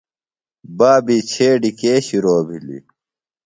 بابی چھیڈیۡ کے شِرو بِھلیۡ؟